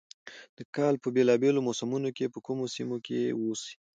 د کال په بېلا بېلو موسمونو کې په کومو سيمو کښې اوسي،